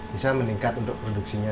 bisa meningkat untuk produksinya